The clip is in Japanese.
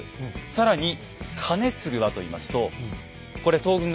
更に兼続はといいますとこれ東軍側です。